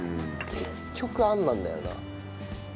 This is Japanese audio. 結局あんなんだよな。